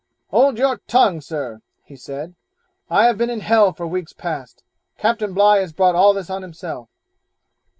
'Hold your tongue, Sir,' he said; 'I have been in hell for weeks past; Captain Bligh has brought all this on himself.'